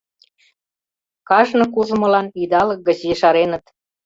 Кажне куржмылан идалык гыч ешареныт.